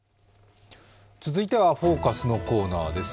続いては「ＦＯＣＵＳ」のコーナーです。